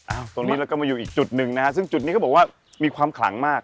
ตรงนี้เราก็มาอยู่อีกจุดหนึ่งนะฮะซึ่งจุดนี้เขาบอกว่ามีความขลังมาก